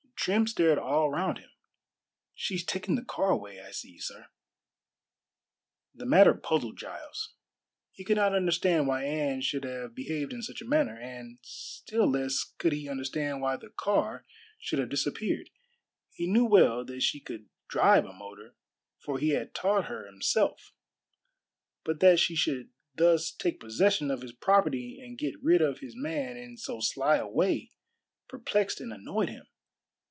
Trim stared all round him. "She's taken the car away, I see, sir." The matter puzzled Giles. He could not understand why Anne should have behaved in such a manner, and still less could he understand why the car should have disappeared. He knew well that she could drive a motor, for he had taught her himself; but that she should thus take possession of his property and get rid of his man in so sly a way perplexed and annoyed him.